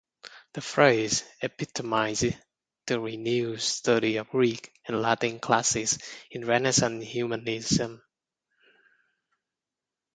The phrase epitomizes the renewed study of Greek and Latin classics in Renaissance humanism.